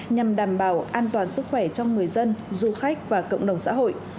nhằm đảm bảo an toàn sức khỏe cho người dân du khách và cộng đồng xã hội